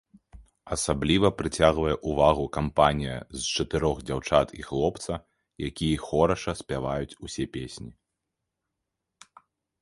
Асабліва прыцягвае ўвагу кампанія з чатырох дзяўчат і хлопца, якія хораша спяваюць усе песні.